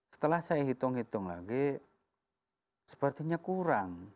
setelah saya hitung hitung lagi sepertinya kurang